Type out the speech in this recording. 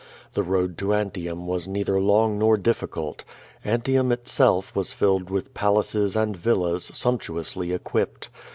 The road to Antium was neither long nor difficult. Antium itself was filled with palaces and villas sumptuously equipped.